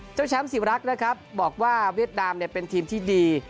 เจ้าแชมป์สิวรักษ์นะครับบอกว่าเวียดนามเป็นทีมที่ดี